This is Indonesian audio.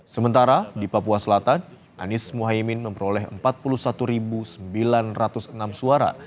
sementara di papua selatan anies muhaymin memperoleh empat puluh satu sembilan ratus enam suara